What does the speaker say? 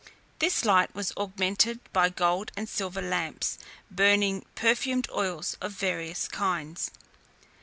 This light was augmented by gold and silver lamps, burning perfumed oils of various kinds.